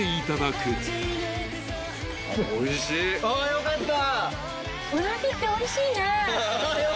よかった。